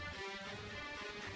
selamat dengan nathan